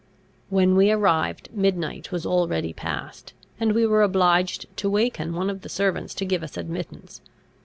When we arrived, midnight was already past, and we were obliged to waken one of the servants to give us admittance.